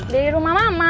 dari rumah mama